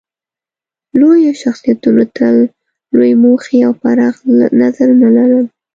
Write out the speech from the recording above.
لویو شخصیتونو تل لویې موخې او پراخ نظرونه لرل.